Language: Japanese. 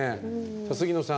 杉野さん